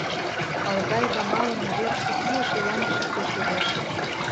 — Алгаева малыме верыште кийыше Яндышев деч йодеш.